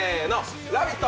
「ラヴィット！」